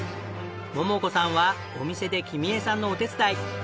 桃子さんはお店で君恵さんのお手伝い。